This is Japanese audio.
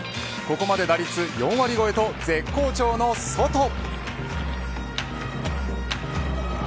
ここまで打率４割越えと絶好調のソト。